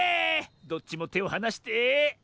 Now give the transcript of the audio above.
どっちもてをはなして。